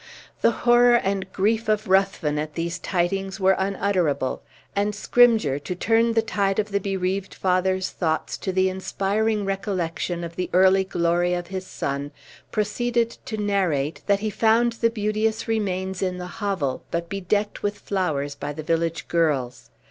The horror and grief of Ruthven at these tidings were unutterable; and Scrymgeour, to turn the tide of the bereaved father's thoughts to the inspiring recollection of the early glory of his son, proceeded to narrate, that he found the beauteous remains in the hovel, but bedecked with flowers by the village girls.